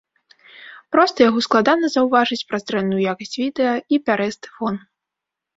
Проста яго складана заўважыць праз дрэнную якасць відэа і пярэсты фон.